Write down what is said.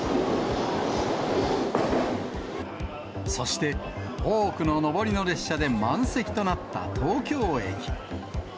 そして、多くの上りの列車で満席となった東京駅。